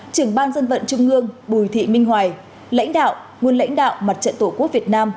trưởng ban dân vận trung ương bùi thị minh hoài lãnh đạo nguồn lãnh đạo mặt trận tổ quốc việt nam